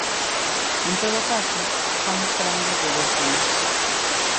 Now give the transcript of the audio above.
En todo caso, estamos falando de décimas.